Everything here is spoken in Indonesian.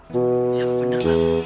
ya benar pak